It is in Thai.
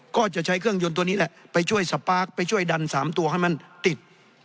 ก็จะใช้เครื่องยนต์ตัวนี้แหละไปช่วยสปาร์คไปช่วยดัน๓ตัวให้มันติด